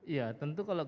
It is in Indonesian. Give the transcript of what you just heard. ya tentu kalau